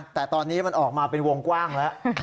แต่ตอนนี้มันออกมาเป็นวงกว้างแล้ว